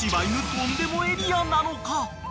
とんでもエリア！？なのか？］